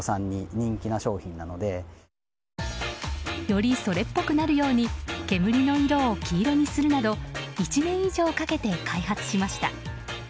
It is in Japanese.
より、それっぽくなるように煙の色を黄色にするなど１年以上かけて開発しました。